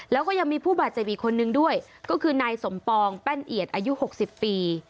แล้วก็ยังมีผู้บาดเจ็บอีกคนนึงด้วยก็คือนายสมปองแป้นเอียดอายุ๖๐ปี